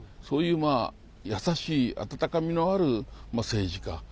そういう優しい、温かみのある政治家。